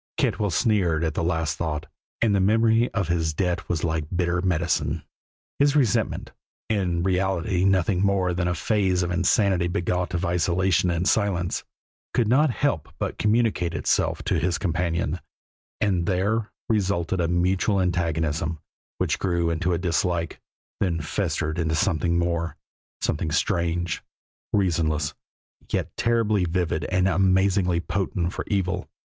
Cantwell sneered at the last thought, and the memory of his debt was like bitter medicine. His resentment in reality nothing more than a phase of insanity begot of isolation and silence could not help but communicate itself to his companion, and there resulted a mutual antagonism, which grew into a dislike, then festered into something more, something strange, reasonless, yet terribly vivid and amazingly potent for evil.